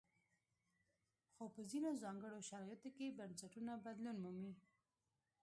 خو په ځینو ځانګړو شرایطو کې بنسټونه بدلون مومي.